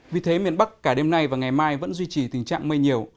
vì thế miền bắc cả đêm nay và ngày mai vẫn duy trì tình trạng mây nhiều